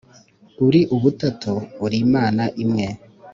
Uri Ubutatu uri Imana imwe